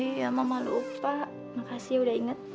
iya mama lupa makasih udah inget